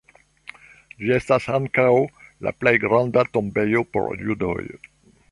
Ĝi estas ankaŭ la plej granda tombejo por judoj.